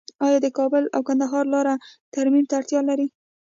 آیا د کابل او کندهار لاره ترمیم ته اړتیا لري؟